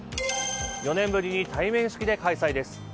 ４年ぶりに対面式で開催です。